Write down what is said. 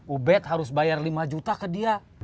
ubed harus bayar lima juta ke dia